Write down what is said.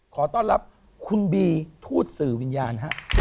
ขอต้อนรับคุณบีทูตสื่อวิญญาณฮะ